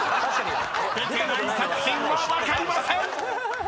［出てない作品は分かりません！］